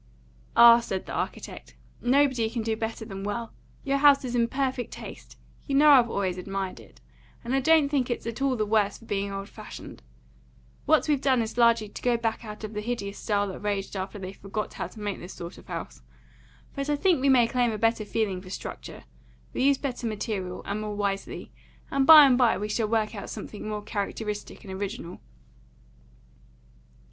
"Ah," said the architect, "nobody can do better than well. Your house is in perfect taste; you know I've always admired it; and I don't think it's at all the worse for being old fashioned. What we've done is largely to go back of the hideous style that raged after they forgot how to make this sort of house. But I think we may claim a better feeling for structure. We use better material, and more wisely; and by and by we shall work out something more characteristic and original."